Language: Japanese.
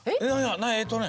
えっとね。